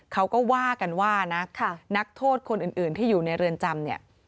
เขาก็ว่ากันว่านะนักโทษคนอื่นที่อยู่ในเรือนจำเนี่ย